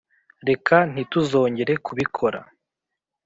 reka ntituzongere kubikora.